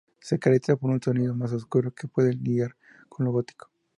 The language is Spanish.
Se caracteriza por un sonido más oscuro que puede lidiar con lo gótico.